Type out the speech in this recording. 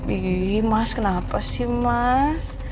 ini mas kenapa sih mas